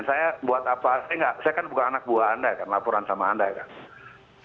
saya buat apa saya kan bukan anak buah anda kan laporan sama anda ya kan